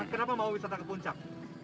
kenapa mau wisata ke puncak